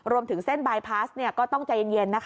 รวมถึงเส้นบายพาสก็ต้องใจเย็น